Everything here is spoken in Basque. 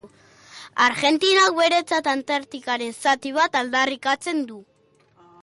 Argentinak beretzat Antartikaren zati bat aldarrikatzen du.